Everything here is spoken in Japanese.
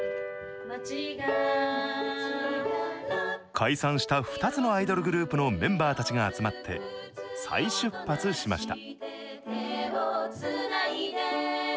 解散した２つのグループのメンバーたちが集まって、再出発しました。